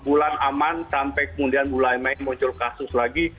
bulan aman sampai kemudian bulan mei muncul kasus lagi